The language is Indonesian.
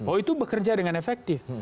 oh itu bekerja dengan efektif